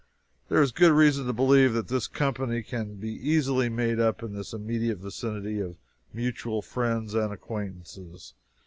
There is good reason to believe that this company can be easily made up in this immediate vicinity, of mutual friends and acquaintances.